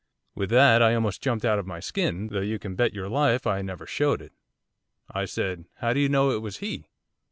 With that I almost jumped out of my skin, though you can bet your life I never showed it. I said, "How do you know it was he?"